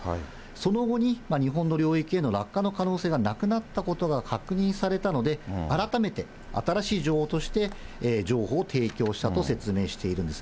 その後に日本の領域への落下の可能性がなくなったことが確認されたので、改めて新しい情報を提供したと説明しているんです。